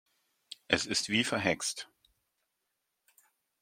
Es ist wie verhext.